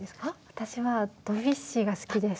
私はドビュッシーが好きです。